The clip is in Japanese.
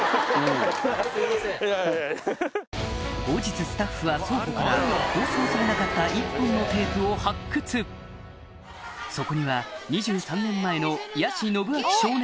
後日スタッフは倉庫から放送されなかった一本のテープを発掘そこには２３年前の安士信章